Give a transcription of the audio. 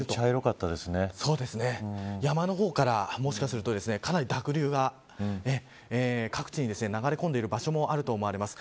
山の方からもしかすると、かなり濁流が各地に流れ込んでいる場所もあると思われます。